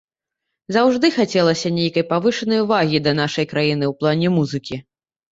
Заўжды хацелася нейкай павышанай увагі да нашай краіны ў плане музыкі.